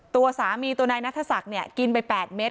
ตัวสามีตัวนายนัทศักดิ์เนี่ยกินไป๘เม็ด